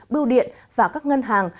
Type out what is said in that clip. bưu điện và các ngân hàng